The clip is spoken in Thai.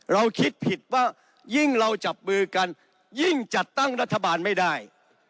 เราคิดผิดว่ายิ่งเราจับมือกันยิ่งจัดตั้งรัฐบาลไม่ได้